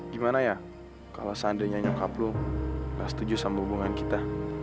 gimana ya kalau seandainya nyokaplu nggak setuju sama hubungan kita